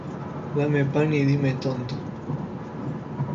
Dame pan y dime tonto.